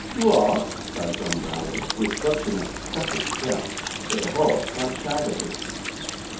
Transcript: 'What!' cried John Browdie, with such an ecstatic shout, that the horse quite shied at it.